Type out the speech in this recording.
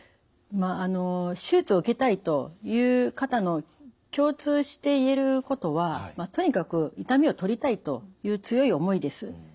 まあ手術を受けたいという方の共通して言えることはとにかく痛みをとりたいという強い思いです。